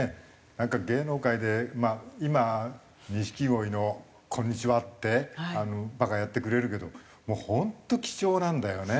なんか芸能界でまあ今錦鯉の「こんにちは！！」ってバカやってくれるけど本当貴重なんだよね。